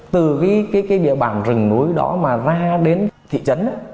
từ cái địa bàn rừng núi đó mà ra đến thị trấn á